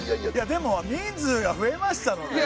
でも人数が増えましたので。